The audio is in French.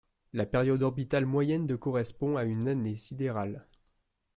La période orbitale moyenne de correspond à une année sidérale.